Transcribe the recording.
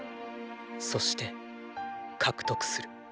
そしてーー獲得する。